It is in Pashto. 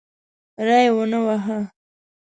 ری ونه واهه.